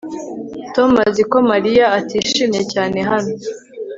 Tom azi ko Mariya atishimye cyane hano